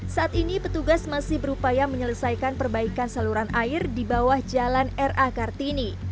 saat ini petugas masih berupaya menyelesaikan perbaikan saluran air di bawah jalan r a kartini